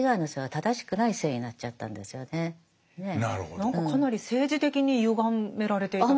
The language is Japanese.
何かかなり政治的にゆがめられていたってこと？